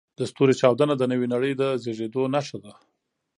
د ستوري چاودنه د نوې نړۍ د زېږېدو نښه ده.